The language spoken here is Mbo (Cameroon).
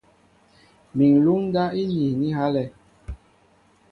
Mi ŋ̀luŋ ndáp íniin á ihálɛ̄.